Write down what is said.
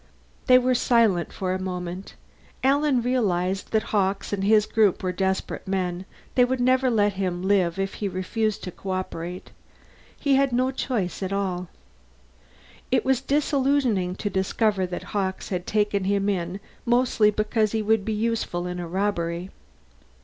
They were silent for a moment. Alan realized that Hawkes and his group were desperate men; they would never let him live if he refused to cooperate. He had no choice at all. It was disillusioning to discover that Hawkes had taken him in mostly because he would be useful in a robbery.